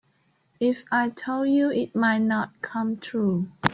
If I told you it might not come true.